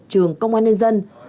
trường công an nhân dân